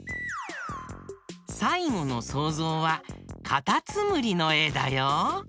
さいごのそうぞうはかたつむりのえだよ。